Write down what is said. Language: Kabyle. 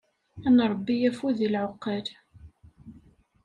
Ad nṛebbi afud i lɛeqqal.